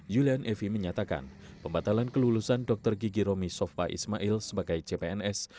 julian evi menyatakan pembatalan kelulusan dokter gigi romi sofa ismail sebagai cpns